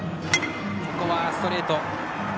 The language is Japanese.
ここはストレート。